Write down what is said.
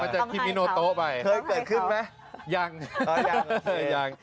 มันจะไปเคยเกิดขึ้นไหมยังอ่ายังยัง